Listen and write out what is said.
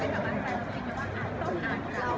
พี่แม่ที่เว้นได้รับความรู้สึกมากกว่า